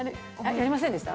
やりませんでした？